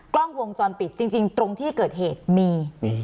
กล้องวงจรปิดจริงตรงที่เกิดเหตุมี